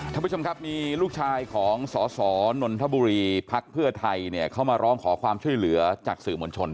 ท่านผู้ชมครับมีลูกชายของสสนนทบุรีพักเพื่อไทยเนี่ยเข้ามาร้องขอความช่วยเหลือจากสื่อมวลชน